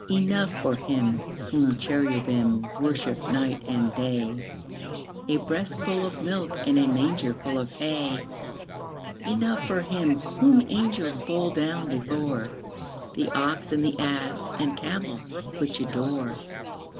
Enough for Him whom cherubim Worship night and day, A breastful of milk And a mangerful of hay; Enough for Him whom angels Fall down before, The ox and ass and camel Which adore.